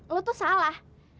lu tuh salah